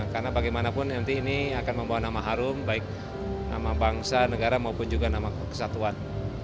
karena bagaimanapun nanti ini akan membawa nama harum baik nama bangsa negara maupun juga nama kesatuan